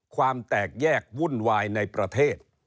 ความแตกแยกวุ่นวายในประเทศ